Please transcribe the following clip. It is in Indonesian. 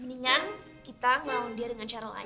mendingan kita melawan dia dengan cara lain